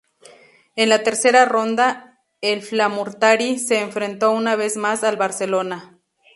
En la tercera ronda, el Flamurtari se enfrentó una vez más al Barcelona.